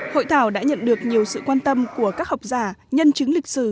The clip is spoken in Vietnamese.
hội thảo đã nhận được nhiều sự quan tâm của các học giả nhân chứng lịch sử